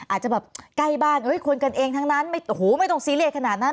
อาจจะแบบใกล้บ้านคนกันเองทั้งนั้นโอ้โหไม่ต้องซีเรียสขนาดนั้น